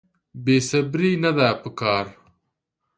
بې صبري نه ده په کار.